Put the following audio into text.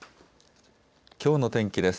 きょうの天気です。